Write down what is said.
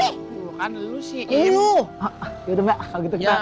yaudah mbak kalau gitu kita masuk ke dalam lagi ya